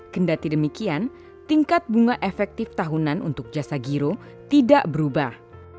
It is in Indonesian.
kendati demikian tingkat bunga efektif tahunan untuk jasa giro tidak berubah